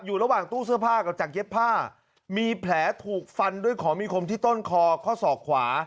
ระหว่างตู้เสื้อผ้ากับจากเย็บผ้ามีแผลถูกฟันด้วยของมีคมที่ต้นคอข้อศอกขวา